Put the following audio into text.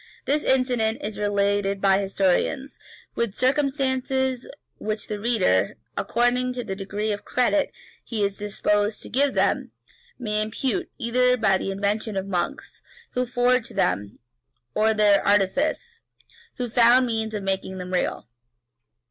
This incident is related by historians, with circumstances which the reader, according to the degree of credit he is disposed to give them, may impute either to the invention of monks, who forged them, or to their artifice, who found means of making them real.